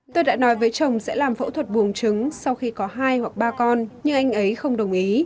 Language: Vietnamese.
tôi đã nói với chồng sẽ làm phẫu thuật buồng trứng sau khi có hai hoặc ba con nhưng anh ấy không đồng ý